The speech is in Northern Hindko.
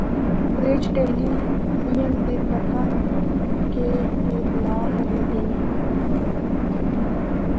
فریج، ٹیلی ویژن تے پتہ نینھ کے کے بلا خریدّے نے۔